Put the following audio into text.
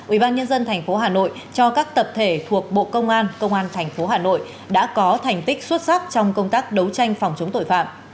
ubnd tp hà nội cho các tập thể thuộc bộ công an công an tp hà nội đã có thành tích xuất sắc trong công tác đấu tranh phòng chống tội phạm